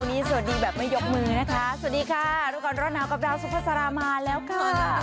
วันนี้สวัสดีแบบไม่ยกมือนะคะสวัสดีค่ะรู้ก่อนร้อนหนาวกับดาวสุภาษามาแล้วค่ะ